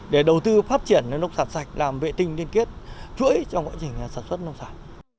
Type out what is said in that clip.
để đầu tư phát triển nông sản sạch làm vệ tinh liên kết chuỗi trong quá trình sản xuất nông sản